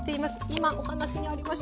今お話にありましたね。